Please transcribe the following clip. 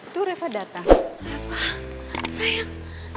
tuh reva datang